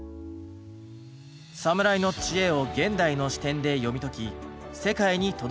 サムライの知恵を現代の視点で読み解き世界に届ける番組。